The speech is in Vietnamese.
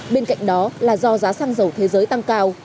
bên cạnh đó là do giá xăng dầu thế giới tăng cao